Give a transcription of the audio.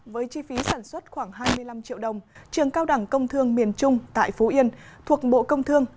với chi phí sản xuất khoảng hai mươi năm triệu đồng trường cao đẳng công thương miền trung tại phú yên thuộc bộ công thương